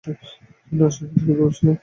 তিনি রাজনীতি থেকে দূরে ছিলেন।